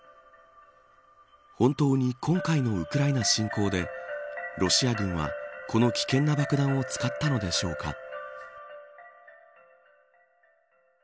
本当に今回のウクライナ侵攻でロシア軍は、この危険な爆弾を使ったのでしょうか。